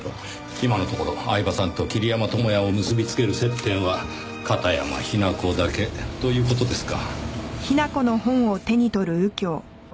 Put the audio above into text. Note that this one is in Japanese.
今のところ饗庭さんと桐山友哉を結び付ける接点は片山雛子だけという事ですか。